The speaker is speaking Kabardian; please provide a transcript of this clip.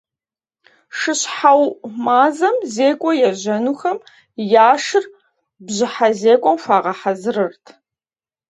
ШыщхьэуӀу мазэм зекӀуэ ежьэнухэм я шыр бжьыхьэ зекӀуэм хуагъэхьэзырырт.